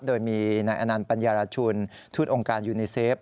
โดยมีนายอนันต์ปัญญารชุนทูตองค์การยูนีเซฟ